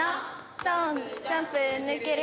ジャンプジャンプ抜ける。